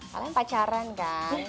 kalian pacaran kan